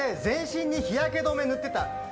全身に日焼け止め塗ってた。